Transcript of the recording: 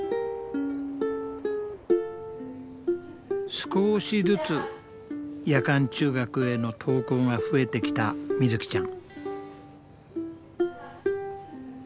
少しずつ夜間中学への登校が増えてきたみずきちゃん。